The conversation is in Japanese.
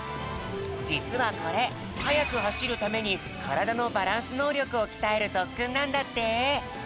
じつはこれはやくはしるためにからだのバランスのうりょくをきたえるとっくんなんだって！